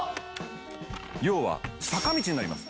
要は坂道になります。